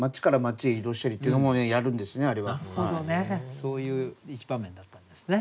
そういう一場面だったんですね。